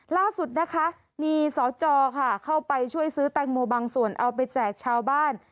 ล่าสุดนะคะมีสจค่ะเข้าไปช่วยซื้อแตงโมบางส่วนเอาไปแจกชาวบ้าน